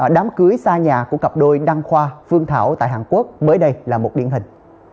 đám cưới xa nhà của cặp đôi đăng khoa phương thảo tại hàn quốc mới đây là một điển hình